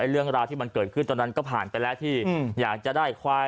เรื่องราวที่มันเกิดขึ้นตอนนั้นก็ผ่านไปแล้วที่อยากจะได้ควาย